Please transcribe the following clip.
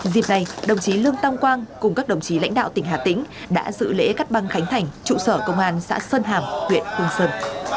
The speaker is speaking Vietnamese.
dịp này đồng chí lương tam quang cùng các đồng chí lãnh đạo tỉnh hà tĩnh đã dự lễ cắt băng khánh thành trụ sở công an xã sơn hàm huyện hương sơn